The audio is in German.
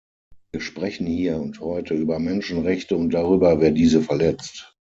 Wir sprechen hier und heute über Menschenrechte und darüber, wer diese verletzt.